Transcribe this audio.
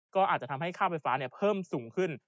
ก็อาจจะทำให้ค่าไฟฟ้าเพิ่มสูงขึ้น